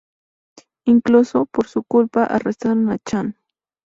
Incluso por su culpa arrestaron a Chan.